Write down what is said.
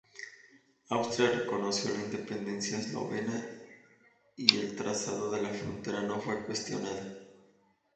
Austria reconoció la independencia eslovena y el trazado de la frontera no fue cuestionada.